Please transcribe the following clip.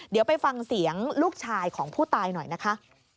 เดี๋ยวไปฟังเสียงลูกชายของผู้ตายหน่อยนะคะ